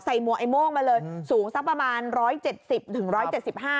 ใส่มัวไอ้โม่งมาเลยสูงสักประมาณร้อยเจ็ดสิบถึงร้อยเจ็ดสิบห้า